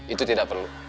itu tidak perlu